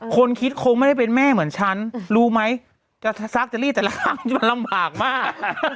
คนคิดคงไม่ได้เป็นแม่เหมือนฉันรู้ไหมจะซักเจอรี่แต่ละครั้งมันลำบากมาก